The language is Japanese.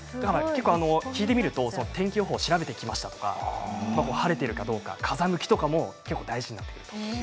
聞いてみると天気予報を調べてきましたとか晴れているかとか風向きも結構、大事になるんです。